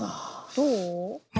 どう？